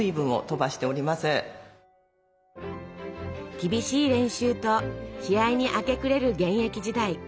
厳しい練習と試合に明け暮れる現役時代。